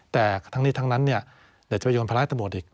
แต่ทั้งนี้ทั้งนั้นเดี๋ยวจะไปโยนภาระตำรวจอีก